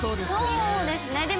そうですね。